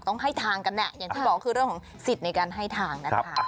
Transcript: ต้องให้ทางกันแหละอย่างที่บอกคือเรื่องของสิทธิ์ในการให้ทางนะคะ